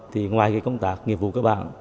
thì ngoài cái công tác nghiệp vụ các bạn